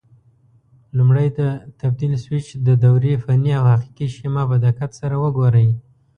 لومړی د تبدیل سویچ د دورې فني او حقیقي شیما په دقت سره وګورئ.